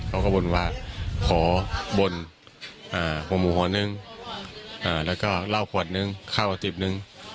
เขาบ่นว่าขอบ่นหวงหมู่หอนึงแล้วก็เหล้าพอดนึงข้าวอาจิบนึง